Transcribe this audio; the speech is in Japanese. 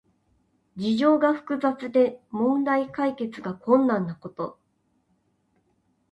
事情が複雑で問題解決が困難なこと。